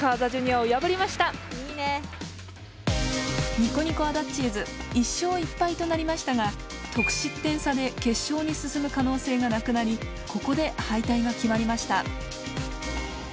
ニコニコあだっちーず１勝１敗となりましたが得失点差で決勝に進むかのうせいがなくなりここではいたいが決まりました。